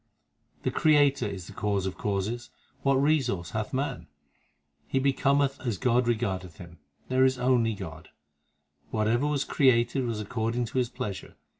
6 The Creator is the Cause of causes ; What resource hath man ? He becometh as God regardeth him There is only God ; Whatever was created was according to His pleasure.